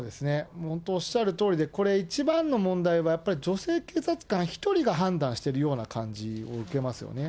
もう本当おっしゃるとおりで、これ、一番の問題は、やっぱり女性警察官１人が判断してるような感じを受けますよね。